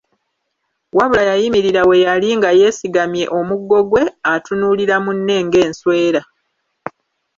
Wabula yayimirira we yali nga yeesigamye omuggo gwe atunuulira munne ng'enswera.